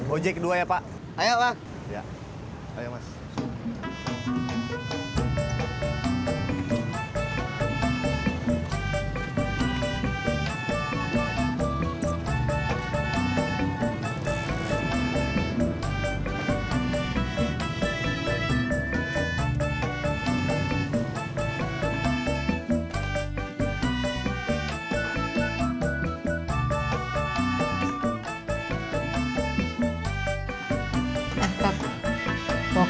ojek kedua ya pak